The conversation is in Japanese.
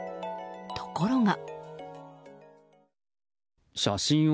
ところが。